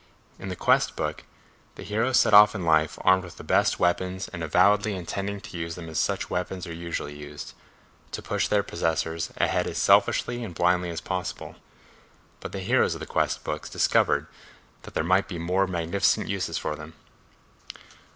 In the "quest" book the hero set off in life armed with the best weapons and avowedly intending to use them as such weapons are usually used, to push their possessors ahead as selfishly and blindly as possible, but the heroes of the "quest" books discovered that there might be a more magnificent use for them.